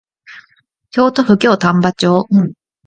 京都府京丹波町